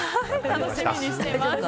楽しみにしています。